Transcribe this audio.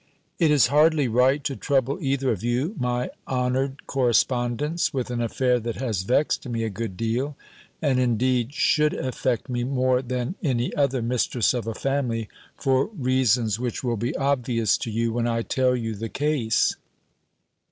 It is hardly right to trouble either of you, my honoured correspondents, with an affair that has vexed me a good deal; and, indeed, should affect me more than any other mistress of a family, for reasons which will be obvious to you, when I tell you the case.